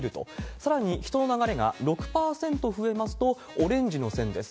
さらに、人の流れが６％増えますと、オレンジの線です。